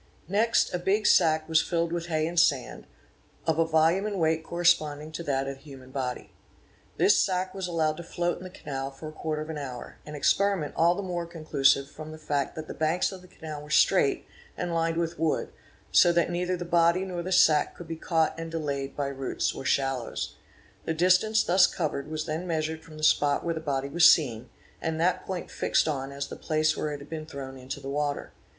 Next a big sack was filled — with hay and sand, of a volume and weight corresponding to that of the human body. This sack was allowed to float in the canal for a quarter of an hour, an experiment all the more conclusive from the fact that the banks of the canal were straight and lined with wood; so that neither the body nor the sack could be caught and delayed by roots or shallows. body was seen, and that point fixed on as the place where it had been thrown into the water.